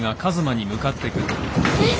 えっ？